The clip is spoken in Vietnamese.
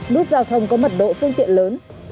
nút giao thông có mật độ phương tiện lớn